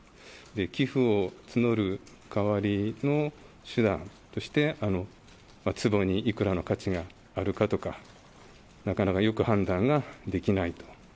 寄付を募る代わりの手段として、つぼにいくらの価値があるかとか、なかなかよく判断ができないと。